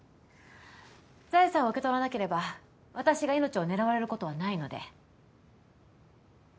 財産を受け取らなければ私が命を狙われることはないので。